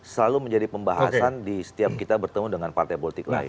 selalu menjadi pembahasan di setiap kita bertemu dengan partai politik lain